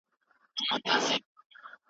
افغان کارګران د لوړو زده کړو پوره حق نه لري.